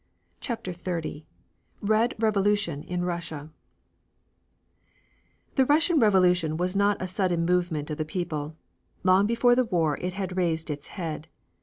CHAPTER XXX RED REVOLUTION IN RUSSIA The Russian Revolution was not a sudden movement of the people. Long before the war it had raised its head.